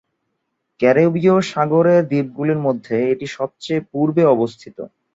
ক্যারিবীয় সাগরের দ্বীপগুলির মধ্যে এটি সবচেয়ে পূর্বে অবস্থিত।